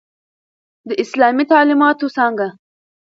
د اسلامی تعليماتو څانګه